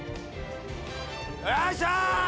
よいしょ！